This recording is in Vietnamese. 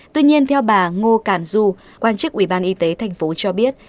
tuy nhiên theo bà ngô cản du quan chức ủy ban y tế thành phố cho biết